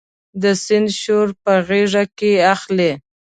د سیند شور په غیږ کې اخلي